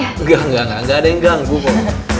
enggak enggak enggak ada yang ganggu ya